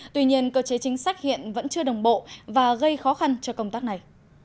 tuy nhiên cơ chế chính sách hiện vẫn chưa đồng bộ và gây khó khăn cho công tác này